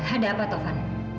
ada apa taufan